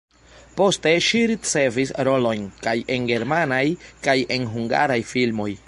Poste ŝi ricevis rolojn kaj en germanaj, kaj en hungaraj filmoj.